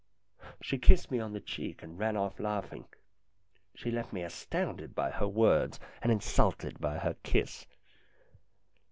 She kissed me on the cheek, and ran off laughing. She left me astounded by her words and insulted by her kiss.